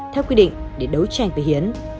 theo quy định để đấu tranh với hiến